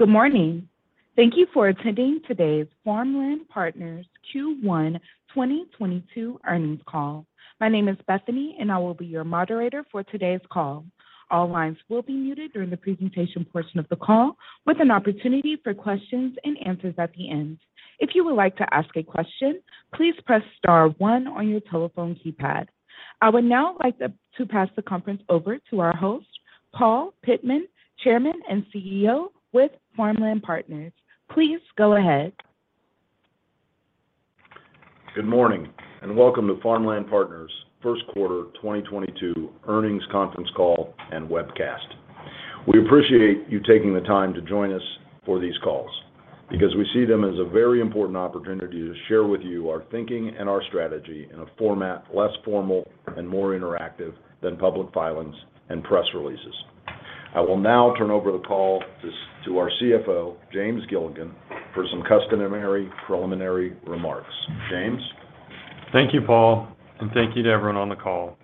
Good morning. Thank you for attending today's Farmland Partners Q1 2022 earnings call. My name is Bethany, and I will be your moderator for today's call. All lines will be muted during the presentation portion of the call, with an opportunity for questions and answers at the end. If you would like to ask a question, please press star one on your telephone keypad. I would now like to pass the conference over to our host, Paul Pittman, Chairman and CEO with Farmland Partners. Please go ahead. Good morning and welcome to Farmland Partners' first quarter 2022 earnings conference call and webcast. We appreciate you taking the time to join us for these calls because we see them as a very important opportunity to share with you our thinking and our strategy in a format less formal and more interactive than public filings and press releases. I will now turn over the call to our CFO, James Gilligan, for some customary preliminary remarks. James. Thank you, Paul, and thank you to everyone on the call.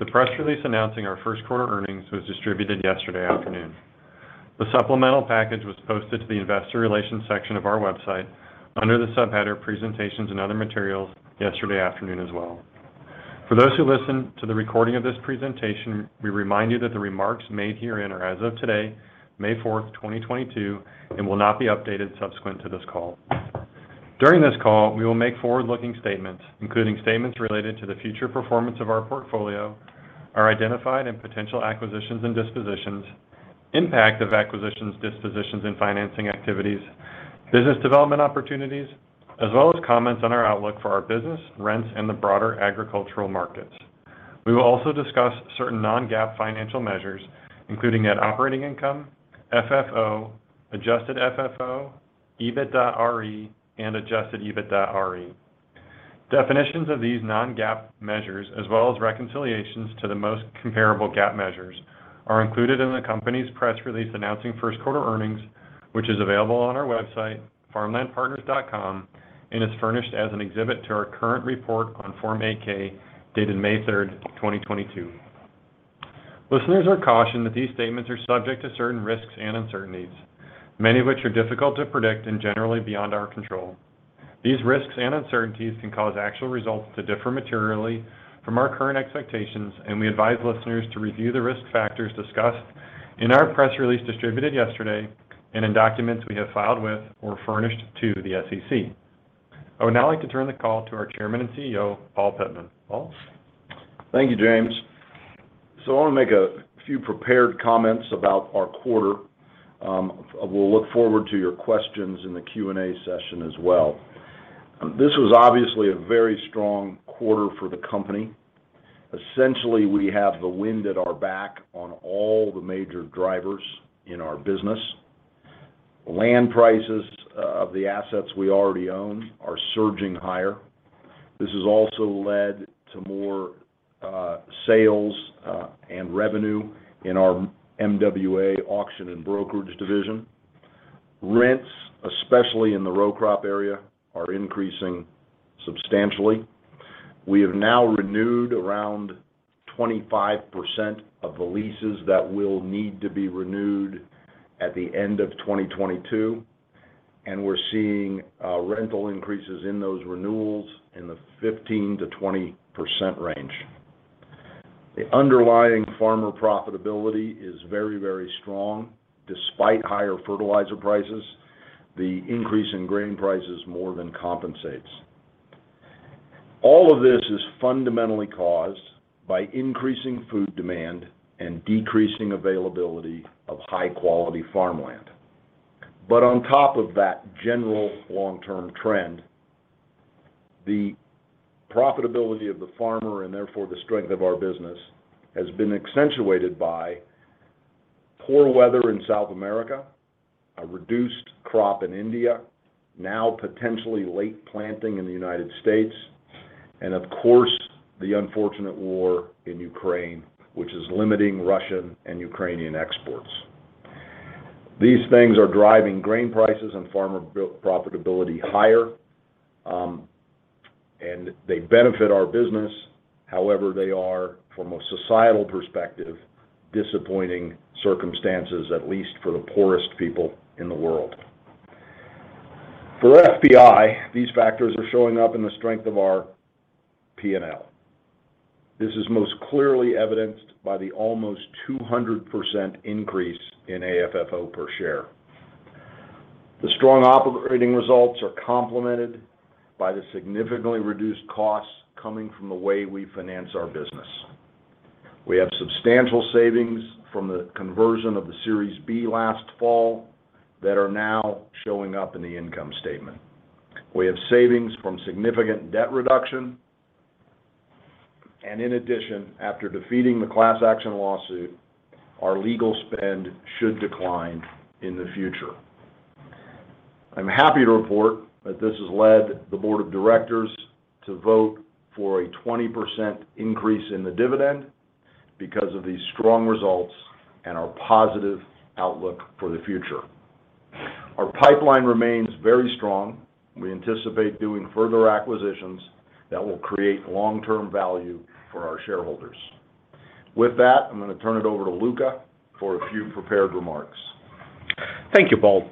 The press release announcing our first quarter earnings was distributed yesterday afternoon. The supplemental package was posted to the investor relations section of our website under the subheader Presentations and Other Materials yesterday afternoon as well. For those who listen to the recording of this presentation, we remind you that the remarks made herein are as of today, May 4, 2022, and will not be updated subsequent to this call. During this call, we will make forward-looking statements, including statements related to the future performance of our portfolio, our identified and potential acquisitions and dispositions, impact of acquisitions, dispositions and financing activities, business development opportunities, as well as comments on our outlook for our business, rents, and the broader agricultural markets. We will also discuss certain non-GAAP financial measures, including net operating income, FFO, adjusted FFO, EBITDAre, and adjusted EBITDAre. Definitions of these non-GAAP measures, as well as reconciliations to the most comparable GAAP measures, are included in the company's press release announcing first quarter earnings, which is available on our website, farmlandpartners.com, and is furnished as an exhibit to our current report on Form 8-K, dated May 3, 2022. Listeners are cautioned that these statements are subject to certain risks and uncertainties, many of which are difficult to predict and generally beyond our control. These risks and uncertainties can cause actual results to differ materially from our current expectations, and we advise listeners to review the risk factors discussed in our press release distributed yesterday and in documents we have filed with or furnished to the SEC. I would now like to turn the call to our Chairman and CEO, Paul Pittman. Paul. Thank you, James. I want to make a few prepared comments about our quarter. We'll look forward to your questions in the Q&A session as well. This was obviously a very strong quarter for the company. Essentially, we have the wind at our back on all the major drivers in our business. Land prices of the assets we already own are surging higher. This has also led to more sales and revenue in our MWA auction and brokerage division. Rents, especially in the row crop area, are increasing substantially. We have now renewed around 25% of the leases that will need to be renewed at the end of 2022, and we're seeing rental increases in those renewals in the 15%-20% range. The underlying farmer profitability is very, very strong. Despite higher fertilizer prices, the increase in grain prices more than compensates. All of this is fundamentally caused by increasing food demand and decreasing availability of high-quality farmland. On top of that general long-term trend, the profitability of the farmer, and therefore the strength of our business, has been accentuated by poor weather in South America, a reduced crop in India, now potentially late planting in the United States, and of course, the unfortunate war in Ukraine, which is limiting Russian and Ukrainian exports. These things are driving grain prices and farmer profitability higher, and they benefit our business. However, they are, from a societal perspective, disappointing circumstances, at least for the poorest people in the world. For FPI, these factors are showing up in the strength of our P&L. This is most clearly evidenced by the almost 200% increase in AFFO per share. The strong operating results are complemented by the significantly reduced costs coming from the way we finance our business. We have substantial savings from the conversion of the Series B last fall that are now showing up in the income statement. We have savings from significant debt reduction. In addition, after defeating the class action lawsuit, our legal spend should decline in the future. I'm happy to report that this has led the board of directors to vote for a 20% increase in the dividend because of these strong results and our positive outlook for the future. Our pipeline remains very strong. We anticipate doing further acquisitions that will create long-term value for our shareholders. With that, I'm gonna turn it over to Luca for a few prepared remarks. Thank you, Paul.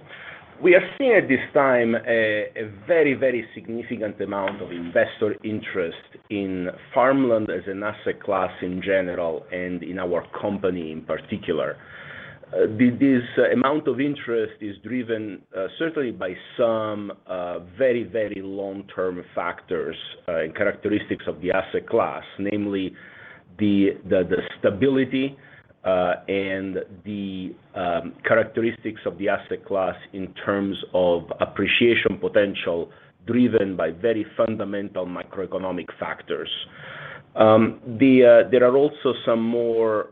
We are seeing at this time a very significant amount of investor interest in farmland as an asset class in general and in our company in particular. This amount of interest is driven certainly by some very long-term factors and characteristics of the asset class, namely the stability and the characteristics of the asset class in terms of appreciation potential driven by very fundamental microeconomic factors. There are also some more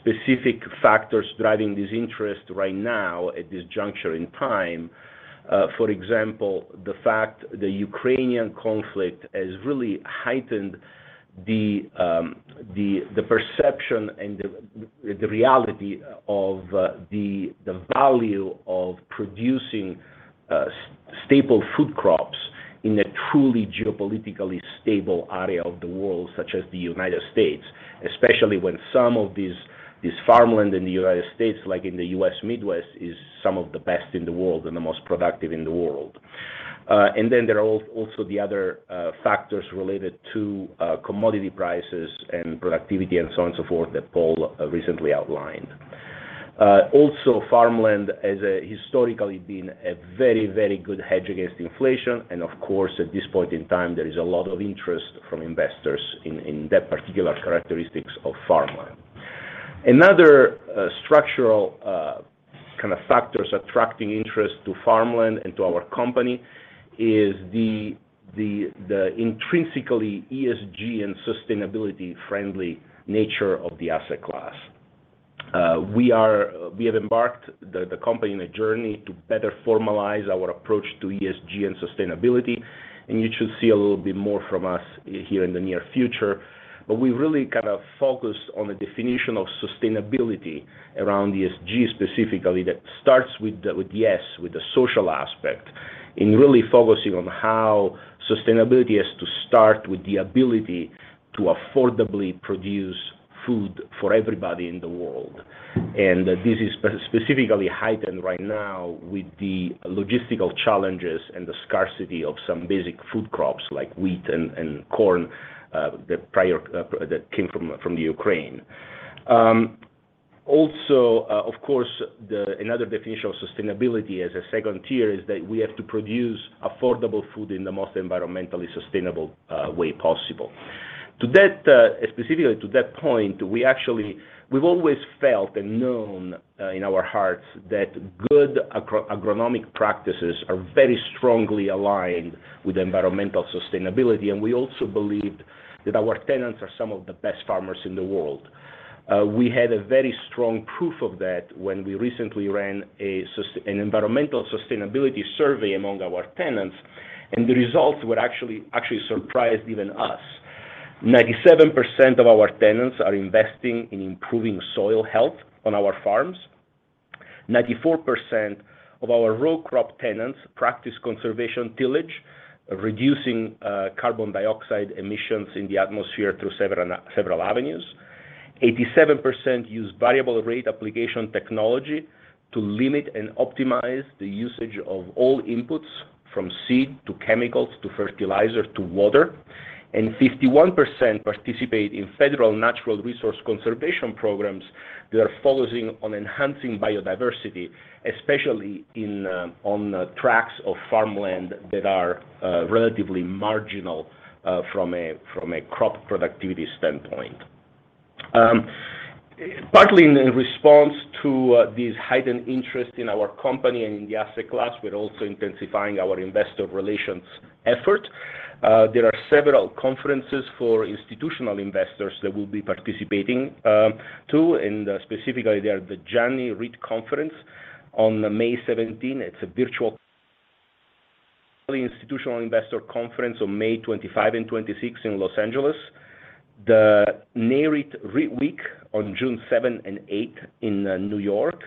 specific factors driving this interest right now at this juncture in time. For example, the fact the Ukrainian conflict has really heightened the perception and the reality of the value of producing stable food crops in a truly geopolitically stable area of the world, such as the United States, especially when some of this farmland in the United States, like in the US Midwest, is some of the best in the world and the most productive in the world. There are also the other factors related to commodity prices and productivity and so on and so forth that Paul recently outlined. Also, farmland has historically been a very good hedge against inflation, and of course, at this point in time, there is a lot of interest from investors in that particular characteristics of farmland. Another structural kind of factors attracting interest to farmland and to our company is the intrinsically ESG and sustainability-friendly nature of the asset class. We have embarked the company on a journey to better formalize our approach to ESG and sustainability, and you should see a little bit more from us here in the near future. But we really kind of focus on the definition of sustainability around ESG specifically, that starts with the S, with the social aspect, in really focusing on how sustainability is to start with the ability to affordably produce food for everybody in the world. This is specifically heightened right now with the logistical challenges and the scarcity of some basic food crops like wheat and corn that came from the Ukraine. Also, of course, another definition of sustainability as a second tier is that we have to produce affordable food in the most environmentally sustainable way possible. To that, specifically to that point, we've always felt and known in our hearts that good agronomic practices are very strongly aligned with environmental sustainability, and we also believed that our tenants are some of the best farmers in the world. We had a very strong proof of that when we recently ran an environmental sustainability survey among our tenants, and the results actually surprised even us. 97% of our tenants are investing in improving soil health on our farms. 94% of our row crop tenants practice conservation tillage, reducing carbon dioxide emissions in the atmosphere through several avenues. 87% use variable rate application technology to limit and optimize the usage of all inputs from seed, to chemicals, to fertilizer, to water, and 51% participate in federal natural resource conservation programs that are focusing on enhancing biodiversity, especially on tracts of farmland that are relatively marginal from a crop productivity standpoint. Partly in response to this heightened interest in our company and in the asset class, we're also intensifying our investor relations effort. There are several conferences for institutional investors that we'll be participating in, and specifically, they are the Janney REIT Conference on May 17. It's a virtual Institutional Investor Conference on May 25 and 26th in Los Angeles. The Nareit REITWeek on June 7 and 8 in New York,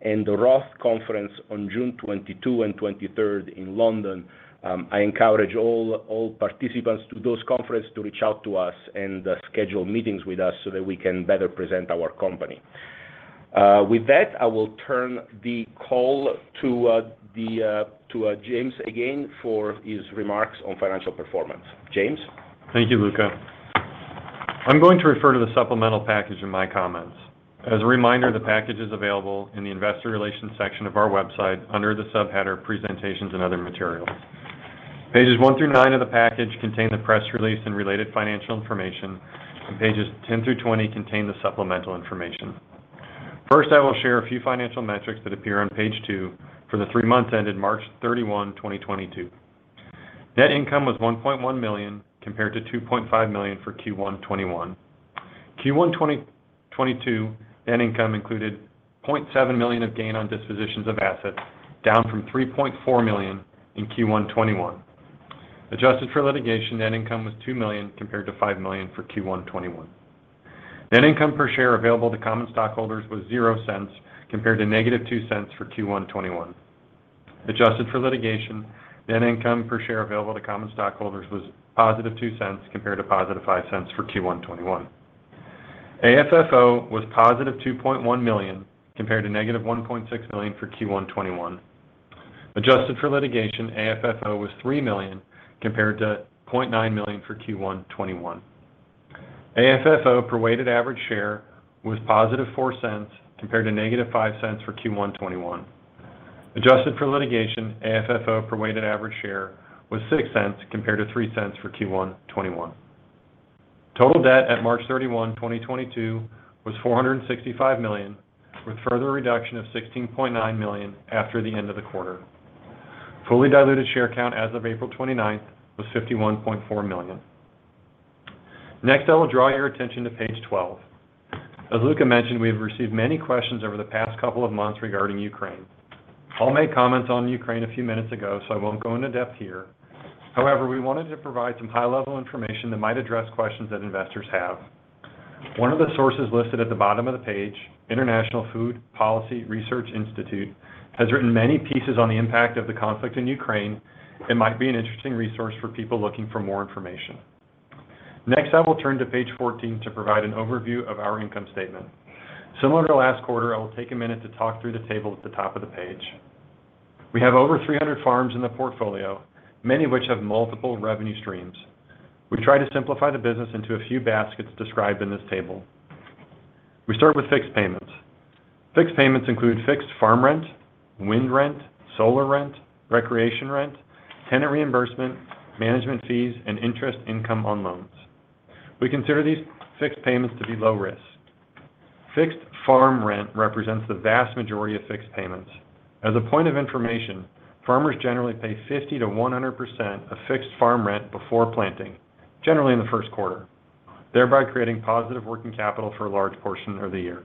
and the Roth Conference on June 22 and 23rd in London. I encourage all participants to this conference to reach out to us and schedule meetings with us so that we can better present our company. With that, I will turn the call to James again for his remarks on financial performance. James. Thank you, Luca. I'm going to refer to the supplemental package in my comments. As a reminder, the package is available in the investor relations section of our website under the subheader Presentations and Other Materials. Pages 1 through 9 of the package contain the press release and related financial information, and pages 10 through 20 contain the supplemental information. First, I will share a few financial metrics that appear on page 2 for the three months ended March 31, 2022. Net income was $1.1 million, compared to $2.5 million for Q1 2021. Q1 2022 net income included $0.7 million of gain on dispositions of assets, down from $3.4 million in Q1 2021. Adjusted for litigation, net income was $2 million compared to $5 million for Q1 2021. Net income per share available to common stockholders was $0.00 compared to -$0.02 for Q1 2021. Adjusted for litigation, net income per share available to common stockholders was $0.02 compared to $0.05 for Q1 2021. AFFO was $2.1 million compared to -$1.6 million for Q1 2021. Adjusted for litigation, AFFO was $3 million compared to $0.9 million for Q1 2021. AFFO per weighted average share was $0.04 compared to -$0.05 for Q1 2021. Adjusted for litigation, AFFO per weighted average share was $0.06 compared to $0.03 for Q1 2021. Total debt at March 31, 2022 was $465 million, with further reduction of $16.9 million after the end of the quarter. Fully diluted share count as of April 29 was 51.4 million. Next, I will draw your attention to page 12. As Luca mentioned, we have received many questions over the past couple of months regarding Ukraine. I made comments on Ukraine a few minutes ago, so I won't go into depth here. However, we wanted to provide some high-level information that might address questions that investors have. One of the sources listed at the bottom of the page, International Food Policy Research Institute, has written many pieces on the impact of the conflict in Ukraine. It might be an interesting resource for people looking for more information. Next, I will turn to page 14 to provide an overview of our income statement. Similar to last quarter, I will take a minute to talk through the table at the top of the page. We have over 300 farms in the portfolio, many of which have multiple revenue streams. We try to simplify the business into a few baskets described in this table. We start with fixed payments. Fixed payments include fixed farm rent, wind rent, solar rent, recreation rent, tenant reimbursement, management fees, and interest income on loans. We consider these fixed payments to be low risk. Fixed farm rent represents the vast majority of fixed payments. As a point of information, farmers generally pay 50%-100% of fixed farm rent before planting, generally in the first quarter, thereby creating positive working capital for a large portion of the year.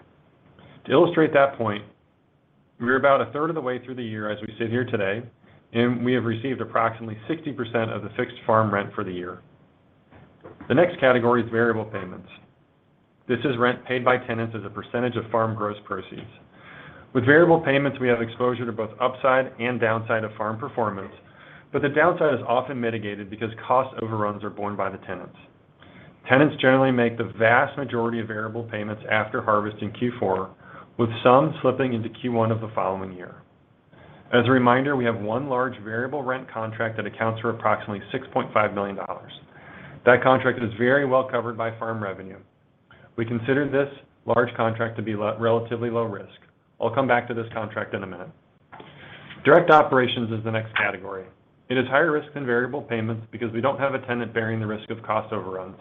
To illustrate that point, we're about a third of the way through the year as we sit here today, and we have received approximately 60% of the fixed farm rent for the year. The next category is variable payments. This is rent paid by tenants as a percentage of farm gross proceeds. With variable payments, we have exposure to both upside and downside of farm performance, but the downside is often mitigated because cost overruns are borne by the tenants. Tenants generally make the vast majority of variable payments after harvest in Q4, with some slipping into Q1 of the following year. As a reminder, we have one large variable rent contract that accounts for approximately $6.5 million. That contract is very well covered by farm revenue. We consider this large contract to be relatively low risk. I'll come back to this contract in a minute. Direct operations is the next category. It is higher risk than variable payments because we don't have a tenant bearing the risk of cost overruns,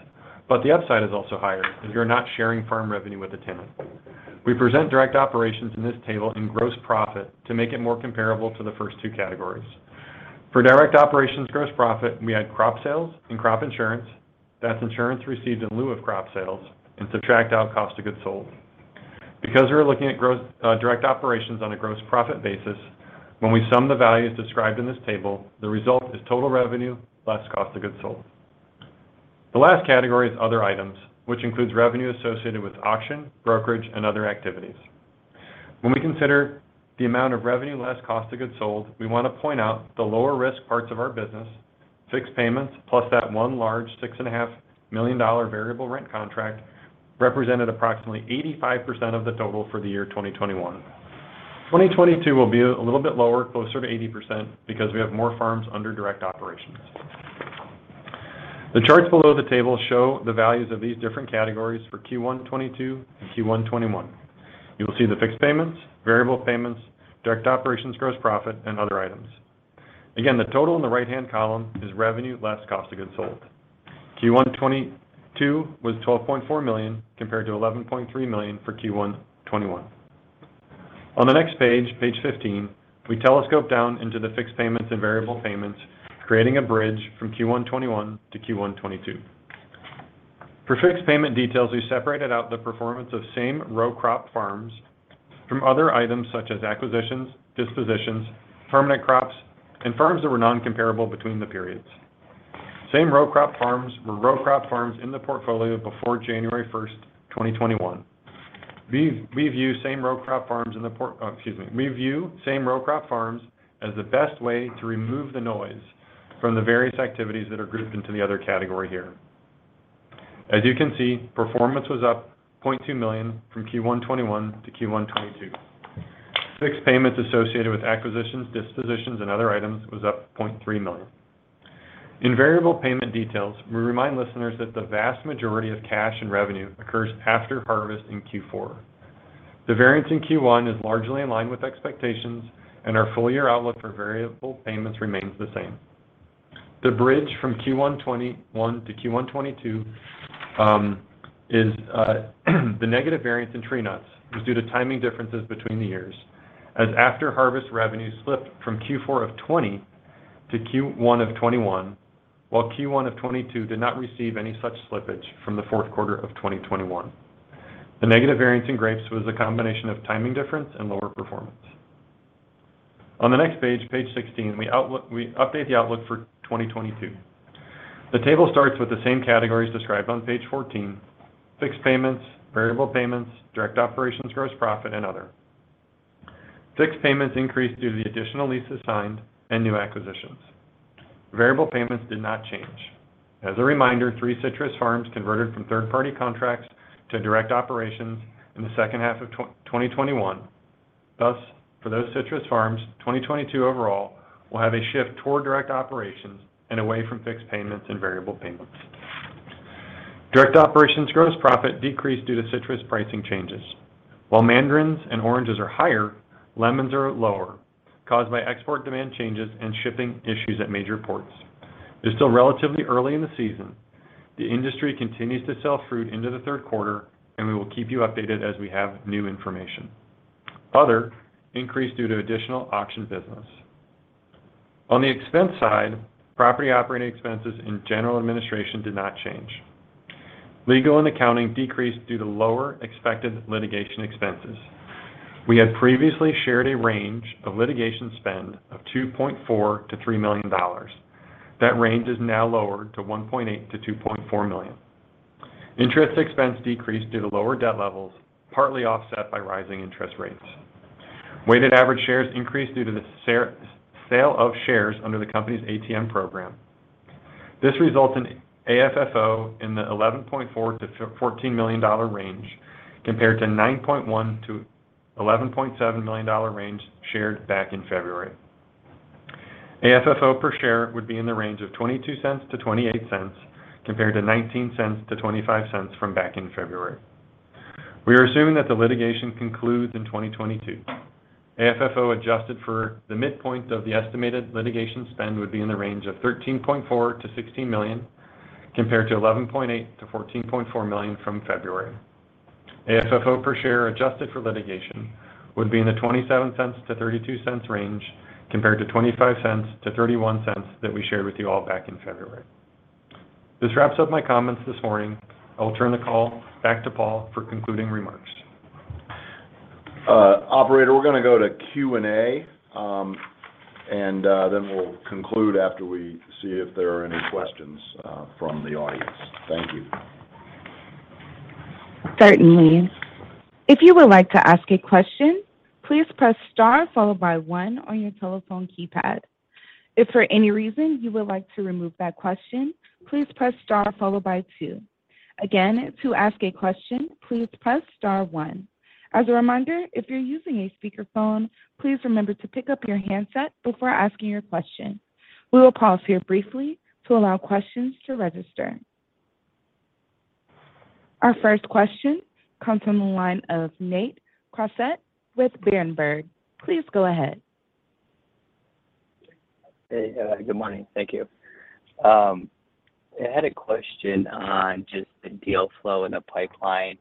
but the upside is also higher as you're not sharing farm revenue with the tenant. We present direct operations in this table in gross profit to make it more comparable to the first two categories. For direct operations gross profit, we add crop sales and crop insurance. That's insurance received in lieu of crop sales and subtract out cost of goods sold. Because we're looking at gross direct operations on a gross profit basis, when we sum the values described in this table, the result is total revenue less cost of goods sold. The last category is other items, which includes revenue associated with auction, brokerage, and other activities. When we consider the amount of revenue less cost of goods sold, we want to point out the lower risk parts of our business, fixed payments, plus that one large $6.5 million variable rent contract represented approximately 85% of the total for the year 2021. 2022 will be a little bit lower, closer to 80% because we have more farms under direct operations. The charts below the table show the values of these different categories for Q1 2022 and Q1 2021. You will see the fixed payments, variable payments, direct operations gross profit, and other items. Again, the total in the right-hand column is revenue less cost of goods sold. Q1 2022 was $12.4 million compared to $11.3 million for Q1 2021. On the next page 15, we telescope down into the fixed payments and variable payments, creating a bridge from Q1 2021 to Q1 2022. For fixed payment details, we separated out the performance of same row crop farms from other items such as acquisitions, dispositions, permanent crops, and farms that were non-comparable between the periods. Same row crop farms were row crop farms in the portfolio before January first, 2021. We view same row crop farms as the best way to remove the noise from the various activities that are grouped into the other category here. As you can see, performance was up $0.2 million from Q1 2021 to Q1 2022. Fixed payments associated with acquisitions, dispositions, and other items was up $0.3 million. In variable payment details, we remind listeners that the vast majority of cash and revenue occurs after harvest in Q4. The variance in Q1 is largely in line with expectations, and our full-year outlook for variable payments remains the same. The bridge from Q1 2021 to Q1 2022, the negative variance in tree nuts was due to timing differences between the years, as after-harvest revenues slipped from Q4 of 2020 to Q1 of 2021, while Q1 of 2022 did not receive any such slippage from the fourth quarter of 2021. The negative variance in grapes was a combination of timing difference and lower performance. On the next page 16, we update the outlook for 2022. The table starts with the same categories described on page 14, fixed payments, variable payments, direct operations gross profit, and other. Fixed payments increased due to the additional leases signed and new acquisitions. Variable payments did not change. As a reminder, three citrus farms converted from third-party contracts to direct operations in the second half of 2021. Thus, for those citrus farms, 2022 overall will have a shift toward direct operations and away from fixed payments and variable payments. Direct operations gross profit decreased due to citrus pricing changes. While mandarins and oranges are higher, lemons are lower, caused by export demand changes and shipping issues at major ports. It's still relatively early in the season. The industry continues to sell fruit into the third quarter, and we will keep you updated as we have new information. Other increased due to additional auction business. On the expense side, property operating expenses and general administration did not change. Legal and accounting decreased due to lower expected litigation expenses. We had previously shared a range of litigation spend of $2.4-$3 million. That range is now lowered to $1.8-$2.4 million. Interest expense decreased due to lower debt levels, partly offset by rising interest rates. Weighted average shares increased due to the sale of shares under the company's ATM program. This results in AFFO in the $11.4 million-$14 million range compared to $9.1 million-$11.7 million range shared back in February. AFFO per share would be in the range of $0.22-$0.28 compared to $0.19-$0.25 from back in February. We are assuming that the litigation concludes in 2022. AFFO adjusted for the midpoint of the estimated litigation spend would be in the range of $13.4 million-$16 million, compared to $11.8 million-$14.4 million from February. AFFO per share adjusted for litigation would be in the $0.27-$0.32 range compared to $0.25-$0.31 that we shared with you all back in February. This wraps up my comments this morning. I will turn the call back to Paul for concluding remarks. Operator, we're gonna go to Q&A, and then we'll conclude after we see if there are any questions from the audience. Thank you. Certainly. If you would like to ask a question, please press star followed by one on your telephone keypad. If for any reason you would like to remove that question, please press star followed by two. Again, to ask a question, please press star one. As a reminder, if you're using a speakerphone, please remember to pick up your handset before asking your question. We will pause here briefly to allow questions to register. Our first question comes from the line of Nate Crossett with Berenberg. Please go ahead. Hey, good morning. Thank you. I had a question on just the deal flow in the pipeline.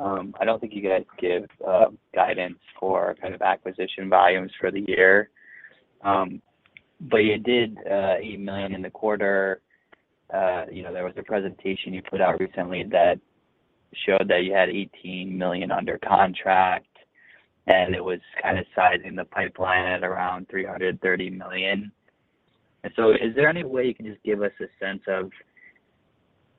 I don't think you guys give guidance for kind of acquisition volumes for the year, but you did $8 million in the quarter. You know, there was a presentation you put out recently that showed that you had $18 million under contract, and it was kind of sizing the pipeline at around $330 million. Is there any way you can just give us a sense of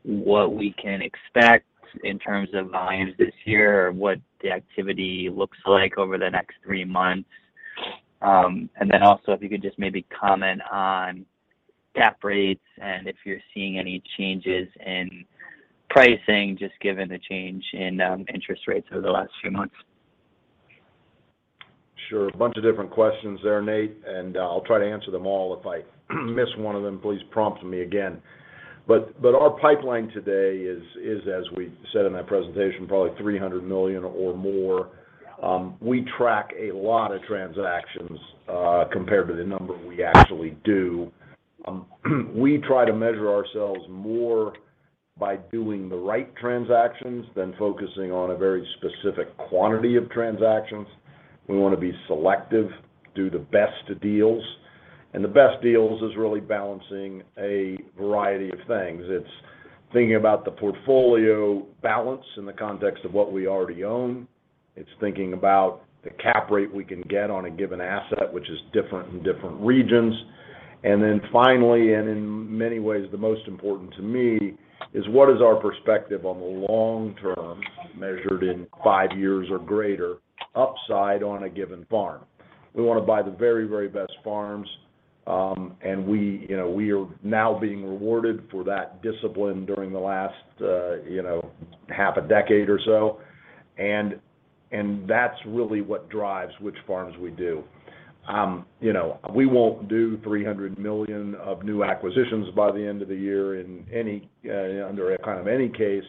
what we can expect in terms of volumes this year or what the activity looks like over the next three months? Then also, if you could just maybe comment on cap rates and if you're seeing any changes in pricing, just given the change in interest rates over the last few months. Sure. A bunch of different questions there, Nate, and I'll try to answer them all. If I miss one of them, please prompt me again. Our pipeline today is, as we said in that presentation, probably $300 million or more. We track a lot of transactions compared to the number we actually do. We try to measure ourselves more by doing the right transactions than focusing on a very specific quantity of transactions. We wanna be selective, do the best deals. The best deals is really balancing a variety of things. It's thinking about the portfolio balance in the context of what we already own. It's thinking about the cap rate we can get on a given asset, which is different in different regions. Finally, and in many ways, the most important to me, is what is our perspective on the long term, measured in five years or greater, upside on a given farm. We wanna buy the very, very best farms, and we, you know, we are now being rewarded for that discipline during the last, you know, half a decade or so. That's really what drives which farms we do. You know, we won't do $300 million of new acquisitions by the end of the year in any case,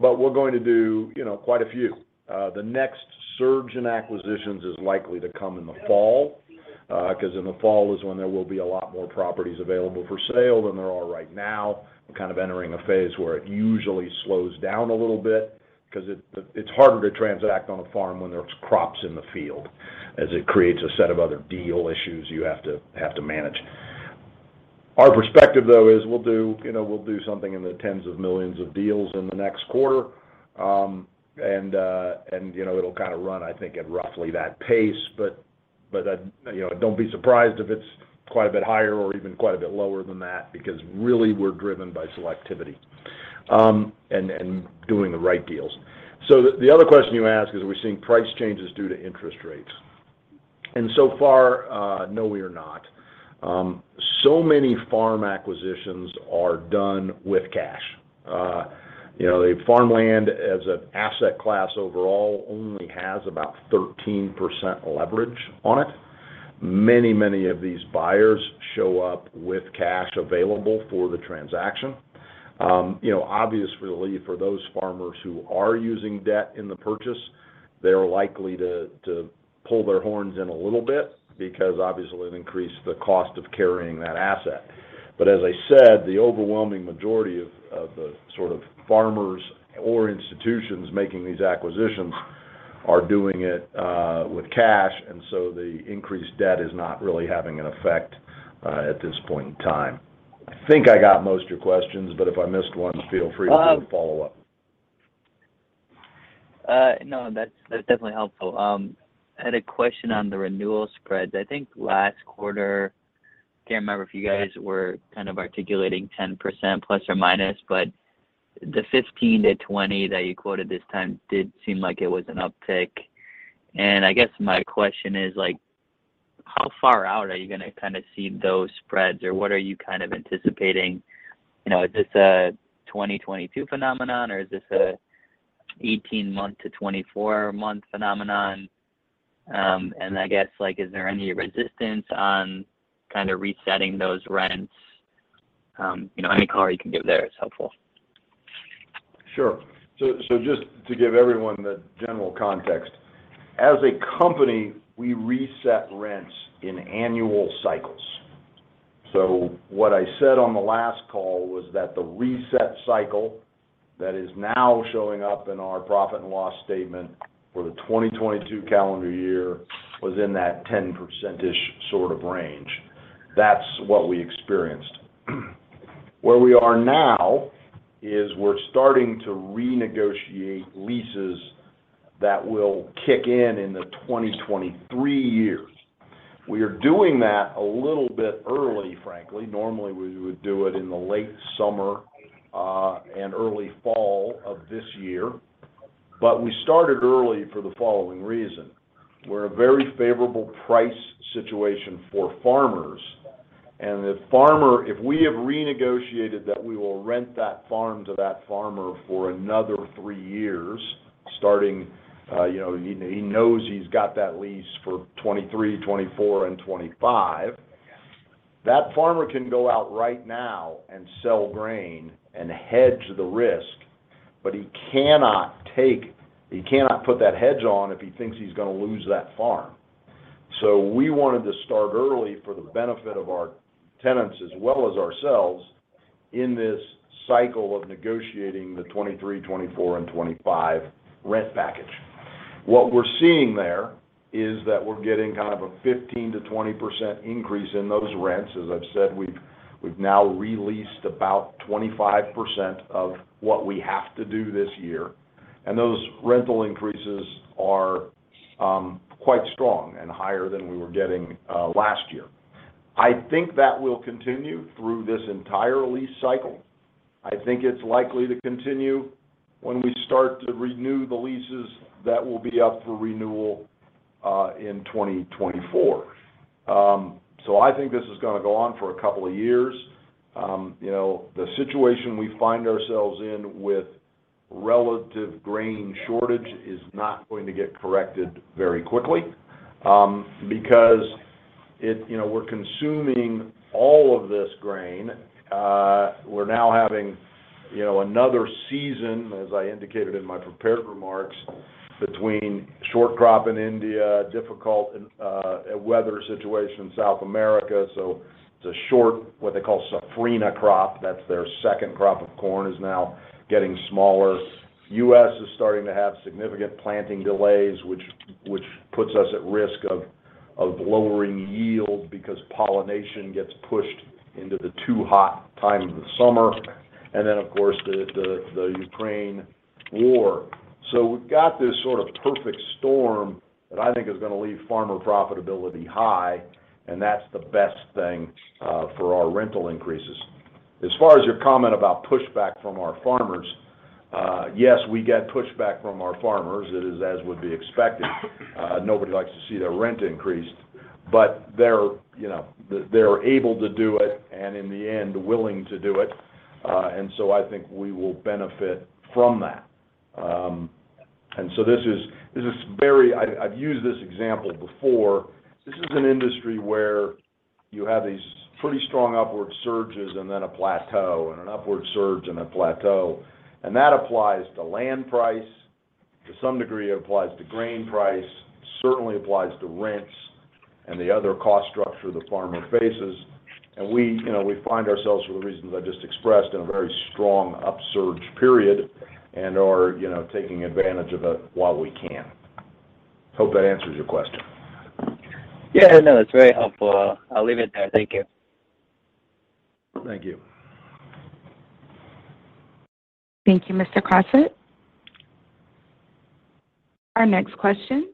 but we're going to do, you know, quite a few. The next surge in acquisitions is likely to come in the fall, 'cause in the fall is when there will be a lot more properties available for sale than there are right now. We're kind of entering a phase where it usually slows down a little bit 'cause it's harder to transact on a farm when there's crops in the field, as it creates a set of other deal issues you have to manage. Our perspective, though, is we'll do, you know, we'll do something in the tens of millions of deals in the next quarter. You know, it'll kind of run, I think, at roughly that pace. You know, don't be surprised if it's quite a bit higher or even quite a bit lower than that because really we're driven by selectivity, and doing the right deals. The other question you asked is, are we seeing price changes due to interest rates? So far, no, we are not. So many farm acquisitions are done with cash. You know, the farmland as an asset class overall only has about 13% leverage on it. Many of these buyers show up with cash available for the transaction. You know, obviously for those farmers who are using debt in the purchase, they're likely to pull their horns in a little bit because obviously it increased the cost of carrying that asset. As I said, the overwhelming majority of the sort of farmers or institutions making these acquisitions are doing it with cash, and so the increased debt is not really having an effect at this point in time. I think I got most of your questions, but if I missed one, feel free to follow up. No, that's definitely helpful. I had a question on the renewal spreads. I think last quarter, can't remember if you guys were kind of articulating 10% plus or minus, but the 15%-20% that you quoted this time did seem like it was an uptick. I guess my question is like, how far out are you gonna kind of see those spreads, or what are you kind of anticipating? You know, is this a 2022 phenomenon, or is this a 18-month to 24-month phenomenon? I guess, like, is there any resistance on kind of resetting those rents? You know, any color you can give there is helpful. Sure. Just to give everyone the general context, as a company, we reset rents in annual cycles. What I said on the last call was that the reset cycle that is now showing up in our profit and loss statement for the 2022 calendar year was in that 10%-ish sort of range. That's what we experienced. Where we are now is we're starting to renegotiate leases that will kick in in the 2023 year. We are doing that a little bit early, frankly. Normally, we would do it in the late summer, and early fall of this year. We started early for the following reason. We're in a very favorable price situation for farmers. The farmer, if we have renegotiated that we will rent that farm to that farmer for another three years, starting, you know, he knows he's got that lease for 2023, 2024 and 2025, that farmer can go out right now and sell grain and hedge the risk. He cannot put that hedge on if he thinks he's gonna lose that farm. We wanted to start early for the benefit of our tenants as well as ourselves in this cycle of negotiating the 2023, 2024 and 2025 rent package. What we're seeing there is that we're getting kind of a 15%-20% increase in those rents. As I've said, we've now re-leased about 25% of what we have to do this year. Those rental increases are quite strong and higher than we were getting last year. I think that will continue through this entire lease cycle. I think it's likely to continue when we start to renew the leases that will be up for renewal in 2024. I think this is gonna go on for a couple of years. You know, the situation we find ourselves in with relative grain shortage is not going to get corrected very quickly. You know, we're consuming all of this grain. We're now having, you know, another season, as I indicated in my prepared remarks, between short crop in India, difficult weather situation in South America. It's a short, what they call safrinha crop. That's their second crop of corn is now getting smaller. U.S. is starting to have significant planting delays, which puts us at risk of lowering yield because pollination gets pushed into the too hot time of the summer. Of course, the Ukraine war. We've got this sort of perfect storm that I think is gonna leave farmer profitability high, and that's the best thing for our rental increases. As far as your comment about pushback from our farmers, yes, we get pushback from our farmers. It is as would be expected. Nobody likes to see their rent increased, but they're able to do it and in the end, willing to do it. I think we will benefit from that. This is very. I've used this example before. This is an industry where you have these pretty strong upward surges and then a plateau, and an upward surge and a plateau. That applies to land price, to some degree it applies to grain price, certainly applies to rents and the other cost structure the farmer faces. We, you know, we find ourselves for the reasons I just expressed in a very strong upsurge period and are, you know, taking advantage of it while we can. Hope that answers your question. Yeah, no, that's very helpful. I'll leave it there. Thank you. Thank you. Thank you, Mr. Crossett. Our next question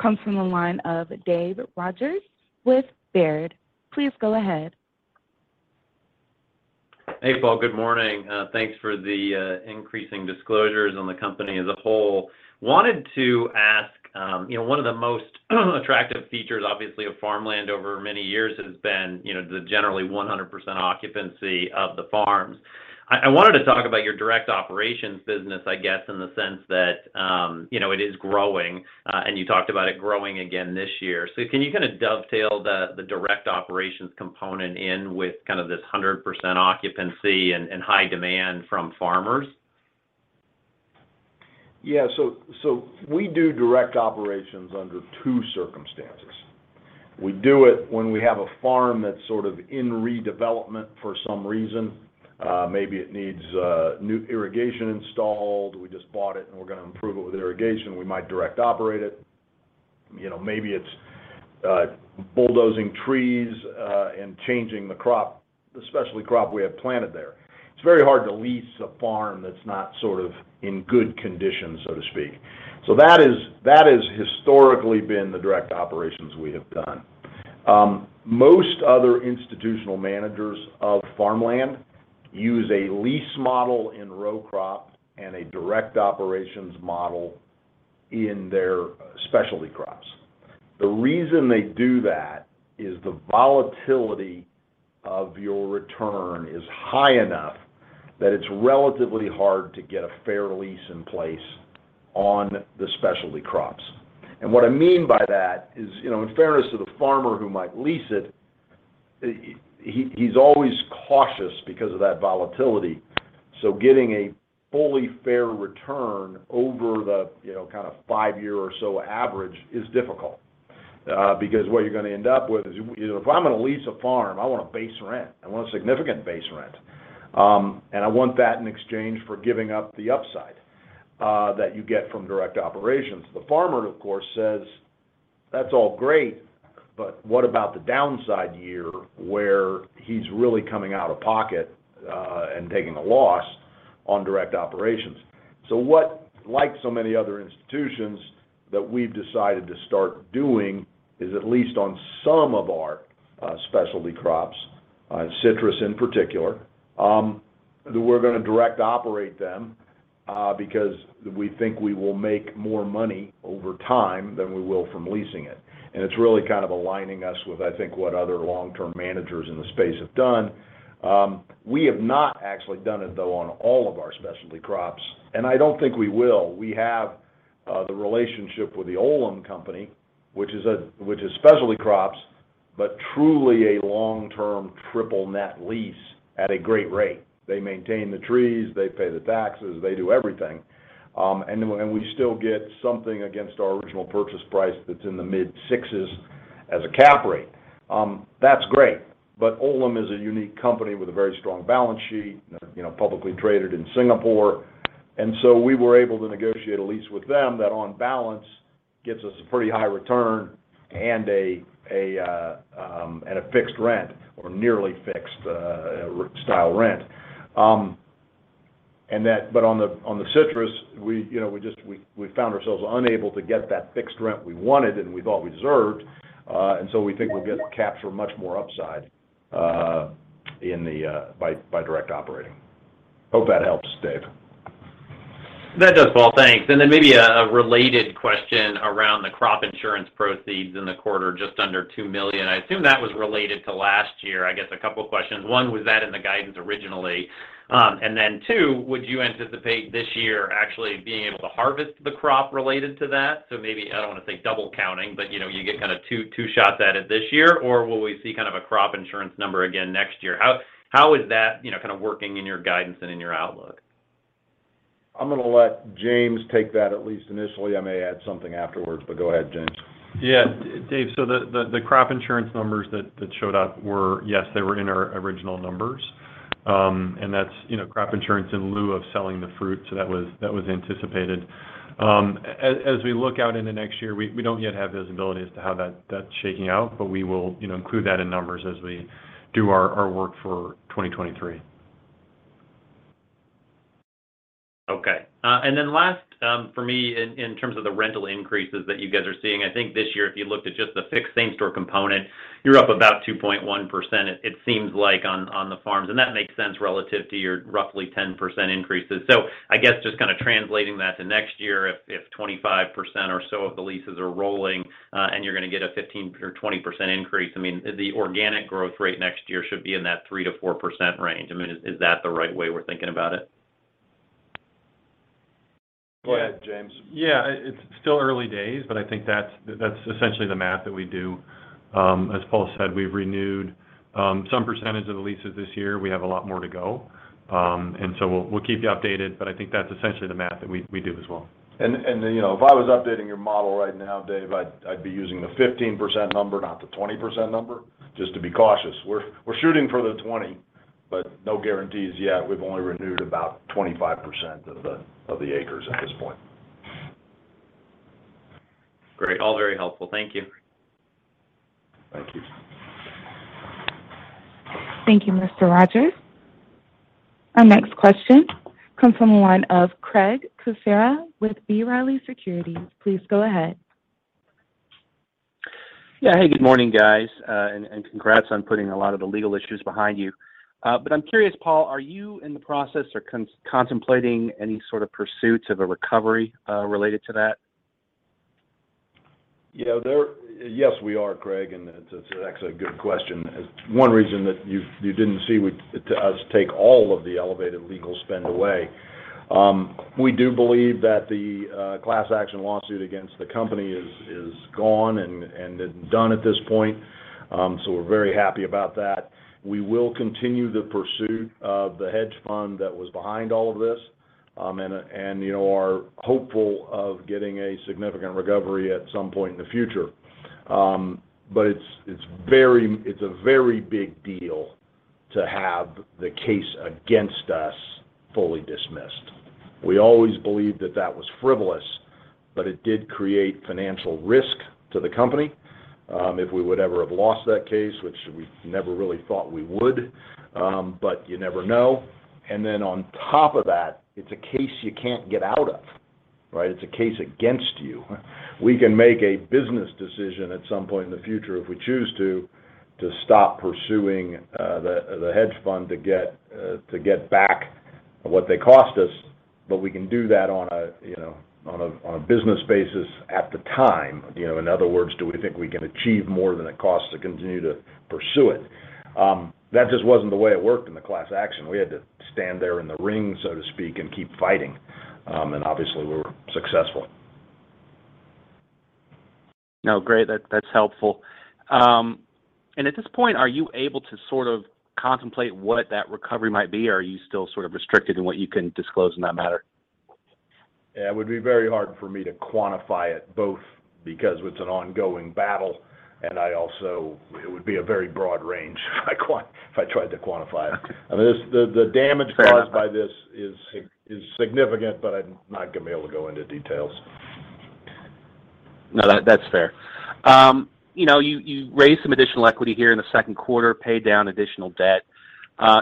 comes from the line of David Rodgers with Baird. Please go ahead. Hey, Paul. Good morning. Thanks for the increasing disclosures on the company as a whole. Wanted to ask, you know, one of the most attractive features, obviously, of farmland over many years has been, you know, the generally 100% occupancy of the farms. I wanted to talk about your direct operations business, I guess, in the sense that, you know, it is growing, and you talked about it growing again this year. Can you kind of dovetail the direct operations component in with kind of this 100% occupancy and high demand from farmers? Yeah. We do direct operations under two circumstances. We do it when we have a farm that's sort of in redevelopment for some reason. Maybe it needs new irrigation installed. We just bought it, and we're gonna improve it with irrigation. We might direct operate it. You know, maybe it's bulldozing trees and changing the crop, the specialty crop we have planted there. It's very hard to lease a farm that's not sort of in good condition, so to speak. That is, that has historically been the direct operations we have done. Most other institutional managers of farmland use a lease model in row crops and a direct operations model in their specialty crops. The reason they do that is the volatility of your return is high enough that it's relatively hard to get a fair lease in place on the specialty crops. What I mean by that is, you know, in fairness to the farmer who might lease it, he's always cautious because of that volatility. Getting a fully fair return over the, you know, kind of five-year or so average is difficult. Because what you're gonna end up with is, you know, if I'm gonna lease a farm, I want a base rent. I want a significant base rent. And I want that in exchange for giving up the upside that you get from direct operations. The farmer, of course, says that's all great, but what about the downside year where he's really coming out of pocket and taking a loss on direct operations? What, like so many other institutions, that we've decided to start doing is at least on some of our specialty crops, citrus in particular, that we're gonna direct operate them, because we think we will make more money over time than we will from leasing it. It's really kind of aligning us with, I think, what other long-term managers in the space have done. We have not actually done it though on all of our specialty crops, and I don't think we will. We have the relationship with the Olam Group, which is specialty crops, but truly a long-term triple net lease at a great rate. They maintain the trees, they pay the taxes, they do everything. And we still get something against our original purchase price that's in the mid-sixes as a cap rate. That's great. Olam is a unique company with a very strong balance sheet, you know, publicly traded in Singapore. We were able to negotiate a lease with them that on balance gets us a pretty high return and a fixed rent or nearly fixed style rent. On the citrus, you know, we found ourselves unable to get that fixed rent we wanted and we thought we deserved, and we think we'll be able to capture much more upside by direct operating. Hope that helps, Dave. That does, Paul. Thanks. Maybe a related question around the crop insurance proceeds in the quarter, just under $2 million. I assume that was related to last year. I guess a couple of questions. One, was that in the guidance originally? Two, would you anticipate this year actually being able to harvest the crop related to that? Maybe, I don't wanna say double counting, but, you know, you get kind of two shots at it this year, or will we see kind of a crop insurance number again next year? How is that, you know, kind of working in your guidance and in your outlook? I'm gonna let James take that at least initially. I may add something afterward, but go ahead, James. Yeah. David, so the crop insurance numbers that showed up were, yes, they were in our original numbers. That's, you know, crop insurance in lieu of selling the fruit, so that was anticipated. As we look out into next year, we don't yet have visibility as to how that's shaking out, but we will, you know, include that in numbers as we do our work for 2023. Okay. Last, for me in terms of the rental increases that you guys are seeing, I think this year if you looked at just the fixed same store component, you're up about 2.1% it seems like on the farms, and that makes sense relative to your roughly 10% increases. I guess just kind of translating that to next year if 25% or so of the leases are rolling, and you're gonna get a 15% or 20% increase, I mean, the organic growth rate next year should be in that 3%-4% range. I mean, is that the right way we're thinking about it? Go ahead, James. Yeah. It's still early days, but I think that's essentially the math that we do. As Paul said, we've renewed some percentage of the leases this year. We have a lot more to go. We'll keep you updated, but I think that's essentially the math that we do as well. You know, if I was updating your model right now, David, I'd be using the 15% number, not the 20% number, just to be cautious. We're shooting for the 20, but no guarantees yet. We've only renewed about 25% of the acres at this point. Great. All very helpful. Thank you. Thank you. Thank you, Mr. Rodgers. Our next question comes from the line of Craig Kucera with B. Riley Securities. Please go ahead. Yeah. Hey, good morning, guys. Congrats on putting a lot of the legal issues behind you. I'm curious, Paul, are you in the process or contemplating any sort of pursuits of a recovery related to that? You know, yes, we are, Craig, and it's actually a good question. One reason that you didn't see us take all of the elevated legal spend away. We do believe that the class action lawsuit against the company is gone and done at this point. We're very happy about that. We will continue the pursuit of the hedge fund that was behind all of this, and you know, are hopeful of getting a significant recovery at some point in the future. It's a very big deal to have the case against us fully dismissed. We always believed that that was frivolous, but it did create financial risk to the company, if we would ever have lost that case, which we never really thought we would. You never know. On top of that, it's a case you can't get out of, right? It's a case against you. We can make a business decision at some point in the future if we choose to stop pursuing the hedge fund to get back what they cost us, but we can do that on a business basis at the time. You know, in other words, do we think we can achieve more than it costs to continue to pursue it? That just wasn't the way it worked in the class action. We had to stand there in the ring, so to speak, and keep fighting. Obviously, we were successful. No, great. That's helpful. At this point, are you able to sort of contemplate what that recovery might be, or are you still sort of restricted in what you can disclose in that matter? Yeah. It would be very hard for me to quantify it both because it's an ongoing battle. It would be a very broad range if I tried to quantify it. Fair enough. I mean, the damage caused by this is significant, but I'm not gonna be able to go into details. No, that's fair. You know, you raised some additional equity here in the second quarter, paid down additional debt.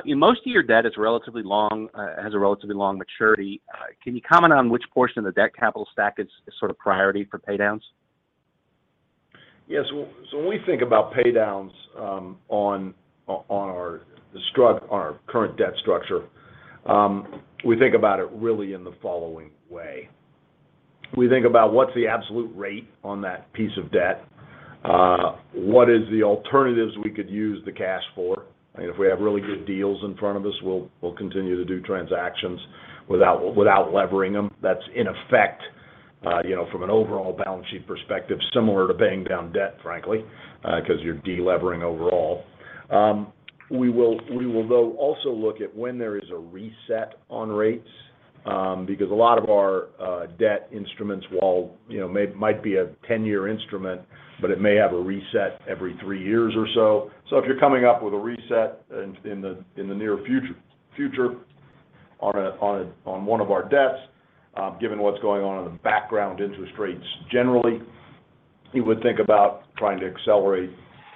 Most of your debt is relatively long, has a relatively long maturity. Can you comment on which portion of the debt capital stack is sort of priority for pay downs? Yes. When we think about pay downs on our current debt structure, we think about it really in the following way. We think about what's the absolute rate on that piece of debt? What is the alternatives we could use the cash for? If we have really good deals in front of us, we'll continue to do transactions without levering them. That's in effect, you know, from an overall balance sheet perspective, similar to paying down debt, frankly, 'cause you're de-levering overall. We will, though, also look at when there is a reset on rates, because a lot of our debt instruments, while, you know, might be a ten-year instrument, but it may have a reset every three years or so. If you're coming up with a reset in the near future on one of our debts, given what's going on in the background interest rates, generally, you would think about trying to accelerate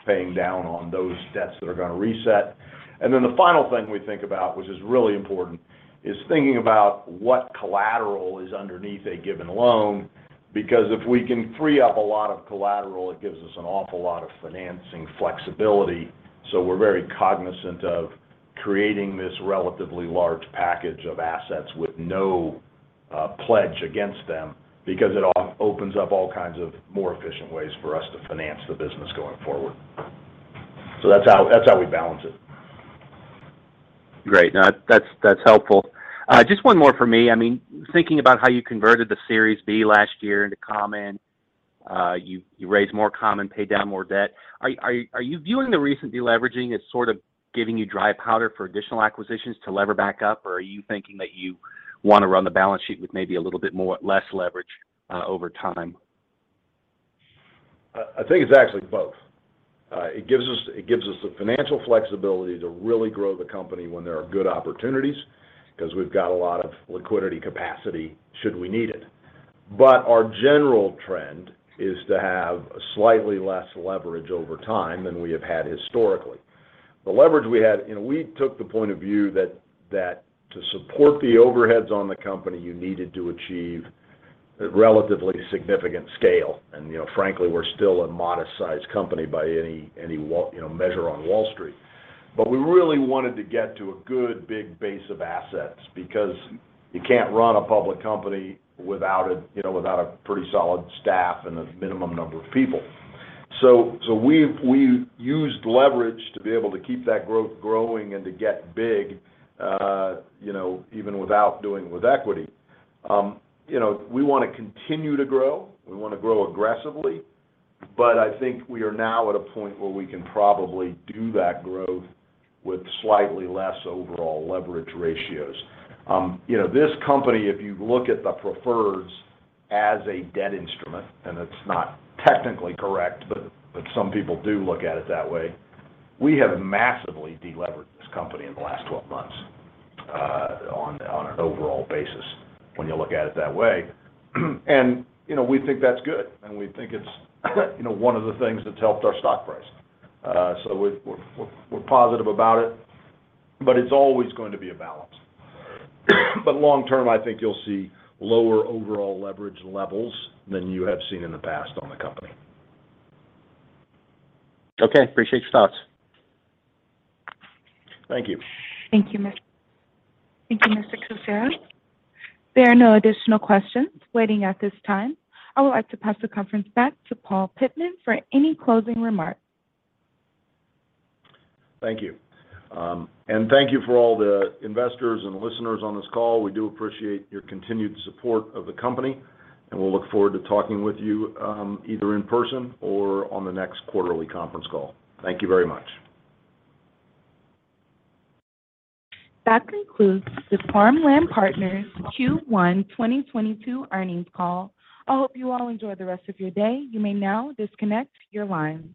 paying down on those debts that are gonna reset. Then the final thing we think about, which is really important, is thinking about what collateral is underneath a given loan. Because if we can free up a lot of collateral, it gives us an awful lot of financing flexibility. We're very cognizant of creating this relatively large package of assets with no pledge against them because it opens up all kinds of more efficient ways for us to finance the business going forward. That's how we balance it. Great. No, that's helpful. Just one more for me. I mean, thinking about how you converted the Series B last year into common, you raised more common, paid down more debt. Are you viewing the recent de-leveraging as sort of giving you dry powder for additional acquisitions to lever back up? Or are you thinking that you wanna run the balance sheet with maybe a little bit less leverage over time? I think it's actually both. It gives us the financial flexibility to really grow the company when there are good opportunities 'cause we've got a lot of liquidity capacity should we need it. Our general trend is to have slightly less leverage over time than we have had historically. The leverage we had. You know, we took the point of view that to support the overheads on the company, you needed to achieve a relatively significant scale. You know, frankly, we're still a modest-sized company by any measure on Wall Street. We really wanted to get to a good, big base of assets because you can't run a public company without a pretty solid staff and a minimum number of people. We've used leverage to be able to keep that growth growing and to get big, you know, even without doing with equity. You know, we wanna continue to grow, we wanna grow aggressively, but I think we are now at a point where we can probably do that growth with slightly less overall leverage ratios. You know, this company, if you look at the preferreds as a debt instrument, and it's not technically correct, but some people do look at it that way, we have massively delevered this company in the last 12 months, on an overall basis when you look at it that way. You know, we think that's good, and we think it's, you know, one of the things that's helped our stock price. We're positive about it, but it's always going to be a balance. Long term, I think you'll see lower overall leverage levels than you have seen in the past on the company. Okay. Appreciate your thoughts. Thank you. Thank you, Mr. Kucera. There are no additional questions waiting at this time. I would like to pass the conference back to Paul Pittman for any closing remarks. Thank you. Thank you for all the investors and listeners on this call. We do appreciate your continued support of the company, and we'll look forward to talking with you, either in person or on the next quarterly conference call. Thank you very much. That concludes the Farmland Partners Q1 2022 earnings call. I hope you all enjoy the rest of your day. You may now disconnect your lines.